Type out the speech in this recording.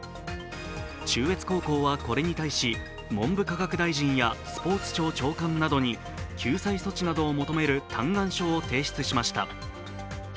中越高校はこれに対し、文部科学大臣やスポーツ庁長官などに救済措置などを求める嘆願書を提出しました。